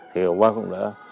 thì bác cũng đã